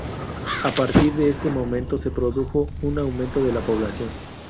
A partir de este momento se produjo un aumento de la población.